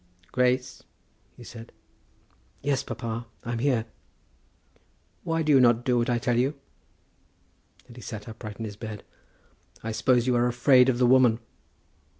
"Grace," he said. "Yes, papa, I am here." "Why do you not do what I tell you?" And he sat upright in his bed. "I suppose you are afraid of the woman?"